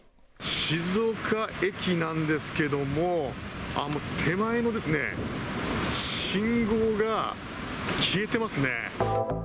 静岡駅なんですけども、ああ、もう手前のですね、信号が消えてますね。